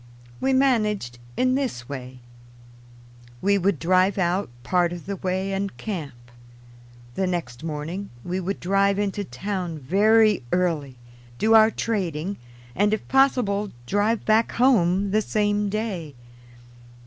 We managed in this way: we would drive out part of the way and camp; the next morning we would drive into town very early, do our trading, and if possible, drive back home the same day.